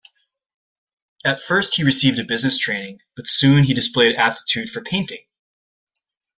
At first he received a business training, but soon displayed aptitude for painting.